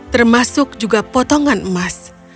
termasuk juga potongan emas